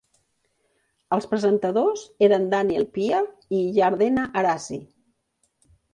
Els presentadors eren Daniel Pe'er i Yardena Arazi.